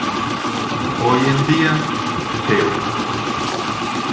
Hoy en día, Geo.